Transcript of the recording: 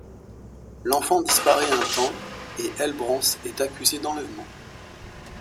L'enfant disparaît un temps et Helbrans est accusé d'enlèvement.